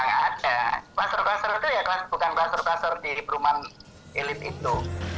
nah pasar pasar itu ya kan bukan pasar pasar di perumahan elit itu